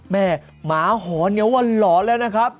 แม่หมาหอนเยอะวันหลอนแล้วครับ